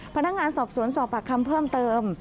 พนักงานสอบสวนสอบปากคำเพิ่มเติม